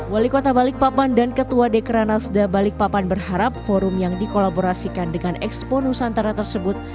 wali kota balikpapan dan ketua dekranasda balikpapan berharap forum yang dikolaborasikan dengan expo nusantara tersebut